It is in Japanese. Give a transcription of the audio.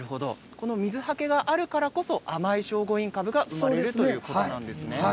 この水はけがあるからこそ甘い聖護院かぶができるということなんですね。